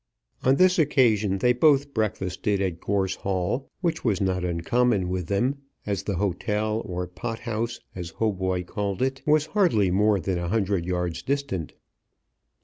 On this occasion they both breakfasted at Gorse Hall, which was not uncommon with them, as the hotel, or pot house, as Hautboy called it, was hardly more than a hundred yards distant.